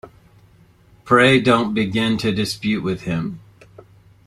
Pray don’t begin to dispute with him.